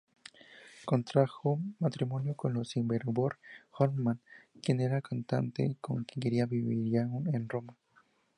Contrajo matrimonio con Ingeborg Hoffman, quien era cantante y con quien viviría en Roma.